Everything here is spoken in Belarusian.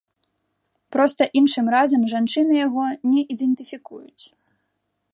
Проста іншым разам жанчыны яго не ідэнтыфікуюць.